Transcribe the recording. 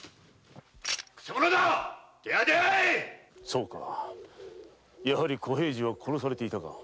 そうかやはり小平次は殺されていたか。